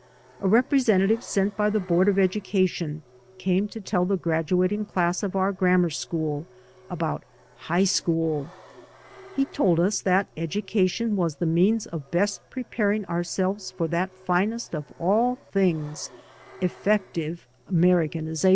A representative sent by the board of education came to tell the gradu ating class of our grammar school about high school. He told us that education was the means of best preparing ourselves for that finest of all things, " effective Americanism."